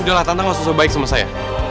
udah lah tante gak usah soal baik sama saya